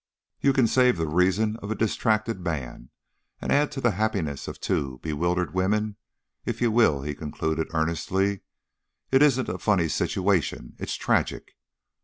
"You can save the reason of a distracted man and add to the happiness of two poor, bewildered women, if you will," he concluded, earnestly. "It isn't a funny situation; it's tragic."